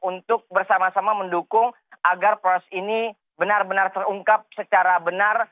untuk bersama sama mendukung agar proses ini benar benar terungkap secara benar